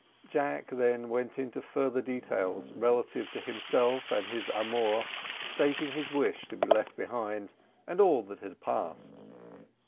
Jack then went into further details relative to himself and his amour, stating his wish to be left behind and all that had passed.